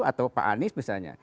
atau pak anies misalnya